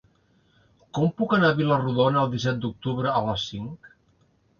Com puc anar a Vila-rodona el disset d'octubre a les cinc?